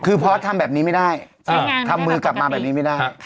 คือพอสทำแบบนี้ไม่ได้ทำมือกลับมาแบบนี้ไม่ได้